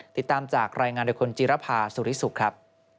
ติดตามจากรายงานดรจิรภาสุฤิษฑ์ครับ